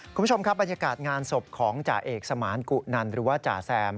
คุณผู้ชมครับบรรยากาศงานศพของจ่าเอกสมานกุนันหรือว่าจ่าแซม